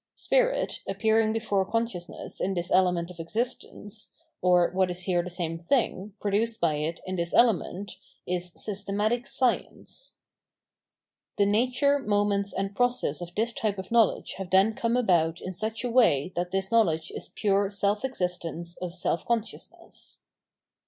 Spirit, appearing before consciousness in this element of existence, or, what is here the same thing, produced by it in this element, is systematic Science. The nature, moments, and process of this type of Absolute Knowledge 811 knowledge have then come about in such a way that this knowledge is pure self existence of self consciousness.